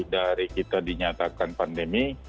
dari kita dinyatakan pandemi